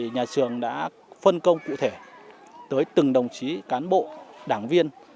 nhà trường đã phân công cụ thể tới từng đồng chí cán bộ đảng viên